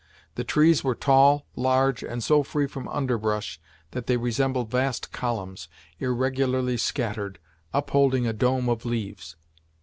The trees were tall, large, and so free from underbrush, that they resembled vast columns, irregularly scattered, upholding a dome of leaves.